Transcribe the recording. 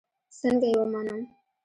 څنگه يې ومنم.